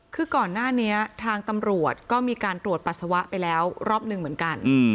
คือก่อนหน้านี้ทางตำรวจก็มีการตรวจปัสสาวะไปแล้วรอบหนึ่งเหมือนกัน